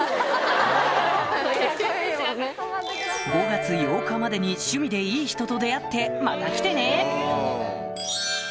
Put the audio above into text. ５月８日までに趣味でいい人と出会ってまた来てね！